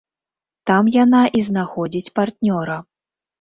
Там яна і знаходзіць партнёра.